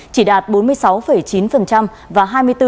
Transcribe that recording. chỉ đạt bốn mươi sáu chín và hai mươi bốn